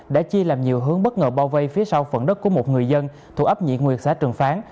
đã chia làm nhiều hướng bất ngờ bao vây phía sau phần đất của một người dân thuộc ấp nhị nguyệt xã trường phán